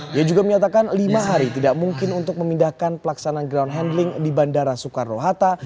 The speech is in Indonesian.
dia juga menyatakan lima hari tidak mungkin untuk memindahkan pelaksanaan ground handling di bandara soekarno hatta